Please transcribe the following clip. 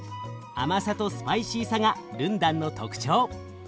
甘さとスパイシーさがルンダンの特徴。